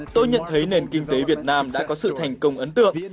tôi nhận thấy nền kinh tế việt nam sẽ có sự thành công ấn tượng